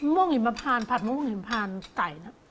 ม่วงหยิมมาภานผัดม่วงหยิมภานไก่